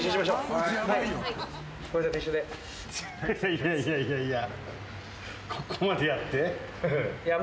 いやいやいやいや。